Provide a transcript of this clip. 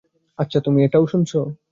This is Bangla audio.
আচ্ছা, তুমিও এটা শুনছো?